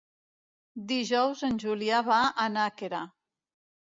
Dijous en Julià va a Nàquera.